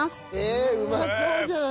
えっうまそうじゃん！